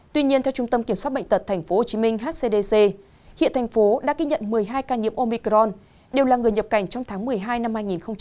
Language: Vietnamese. tuy nhiên theo trung tâm kiểm soát bệnh tật tp hcm hcdc hiện thành phố đã ghi nhận một mươi hai ca nhiễm omicron đều là người nhập cảnh trong tháng một mươi hai năm hai nghìn hai mươi